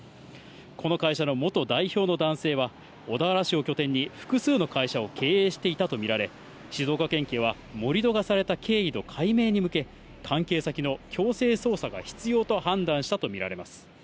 この会社の元代表の男性は、小田原市を拠点に複数の会社を経営していたと見られ、静岡県警は、盛り土がされた経緯の解明に向け、関係先の強制捜査が必要と判断したと見られます。